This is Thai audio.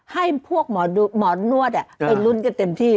ให้พวกหมอนวดไปลุ้นกันเต็มที่